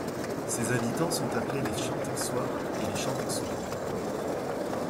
Ses habitants sont appelés les Chanteixois et les Chanteixoises.